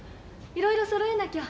いろいろそろえなきゃ。